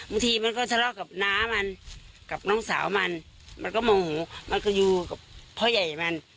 บางทีมันก็ทะเลาะกับน้ามันกับน้องสาวมันมันก็โมโหมันก็อยู่กับพ่อใหญ่มัน